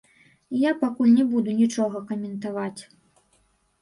Я пакуль не буду нічога каментаваць.